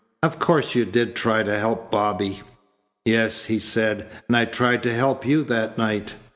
Of course you did try to help Bobby." "Yes," he said, "and I tried to help you that night.